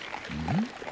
うん？